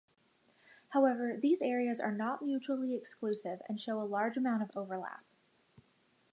However, these areas are not mutually exclusive and show a large amount of overlap.